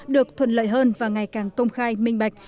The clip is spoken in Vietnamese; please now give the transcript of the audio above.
được thuận lợi hơn và ngày càng công khai minh bạch